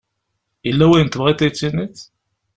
Yella wayen tebɣiḍ ad yi-d-tiniḍ?